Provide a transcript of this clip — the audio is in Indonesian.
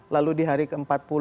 lalu di hari ke empat puluh